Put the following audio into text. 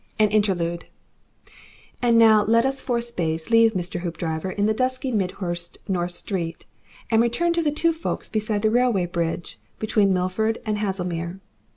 AN INTERLUDE And now let us for a space leave Mr. Hoopdriver in the dusky Midhurst North Street, and return to the two folks beside the railway bridge between Milford and Haslemere.